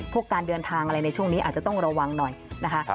การเดินทางอะไรในช่วงนี้อาจจะต้องระวังหน่อยนะคะ